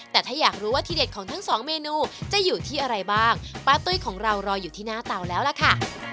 แต่ถ้าอยากรู้ว่าที่เด็ดของทั้งสองเมนูจะอยู่ที่อะไรบ้างป้าตุ้ยของเรารออยู่ที่หน้าเตาแล้วล่ะค่ะ